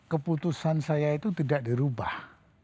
keputusan saya itu tidak dirubah